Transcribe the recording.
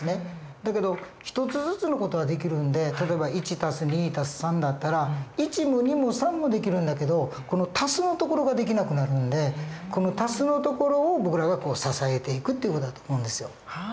だけど一つずつの事はできるんで例えば１＋２＋３だったら１も２も３もできるんだけどこの＋のところができなくなるんでこの＋のところを僕らが支えていくっていう事だと思うんですよ。